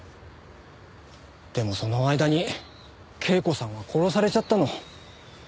でもその間に恵子さんは殺されちゃったの。